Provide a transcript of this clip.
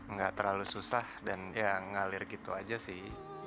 nggak terlalu susah dan ya ngalir gitu aja sih